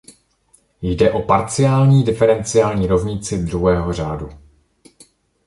Jde o parciální diferenciální rovnici druhého řádu.